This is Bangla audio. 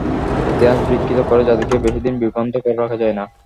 ইতিহাস বিকৃত করে জাতিকে বেশি দিন বিভ্রান্ত করে রাখা যায় না।